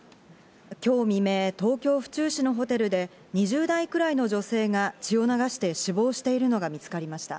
今日未明、東京・府中市のホテルで２０代くらいの女性が血を流して死亡しているのが見つかりました。